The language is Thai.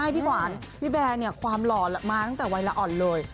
พี่แบร์คอความหล่อมาตั้งแต่วัยละอ่อนเลย